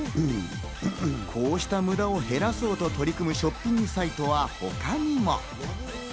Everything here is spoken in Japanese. こうした無駄を減らそうと取り組むショッピングサイトは他にも。